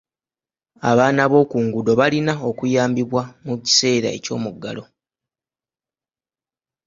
Abaana b'okunguudo balina okuyambibwa mu kiseera ky'omuggalo.